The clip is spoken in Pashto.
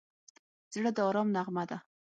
زړه د ارام نغمه ده.